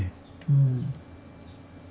うん。